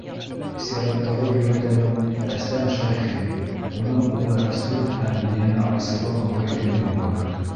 Сираттағы геройҙарым Әсләм Шәйхин, уның улы Рәсүл һәм ейәне Айсыуаҡ Ғөбәйҙуллин булыр.